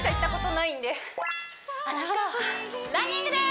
なるほどランニングです